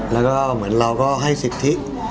แล้วก็เหมือนเราก็ให้สิทธิ